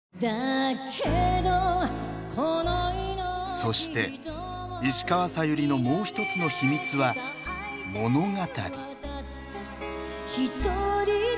そして石川さゆりのもうひとつの秘密は「物語」。